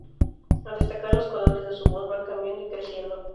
A destacar los colores de su voz, van cambiando y creciendo.